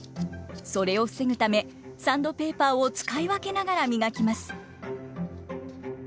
それを防ぐためサンドペーパーを使い分けながら磨きます。